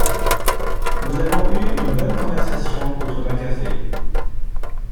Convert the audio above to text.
Nous avons eu une bonne conversation autour d'un café.